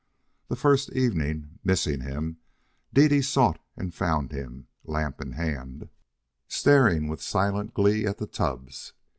The first evening, missing him, Dede sought and found him, lamp in hand, staring with silent glee at the tubs.